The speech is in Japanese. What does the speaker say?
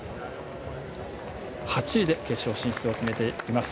８位で決勝進出を決めています。